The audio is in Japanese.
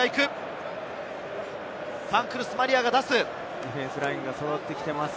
ディフェンスラインが揃ってきています。